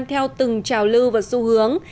theo từng trào lưu và xu hướng